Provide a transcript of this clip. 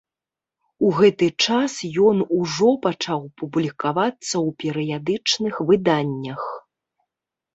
У гэты час ён ужо пачаў публікавацца ў перыядычных выданнях.